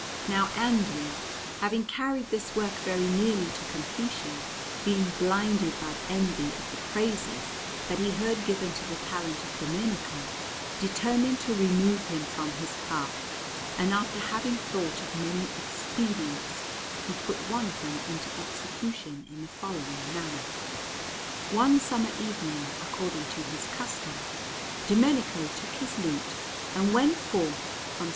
Now Andrea, having carried this work very nearly to completion, being blinded by envy of the praises that he heard given to the talent of Domenico, determined to remove him from his path; and after having thought of many expedients, he put one of them into execution in the following manner. One summer evening, according to his custom, Domenico took his lute and went forth from S.